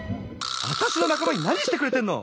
アタシの仲間になにしてくれてんの！